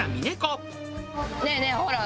ねえねえほら！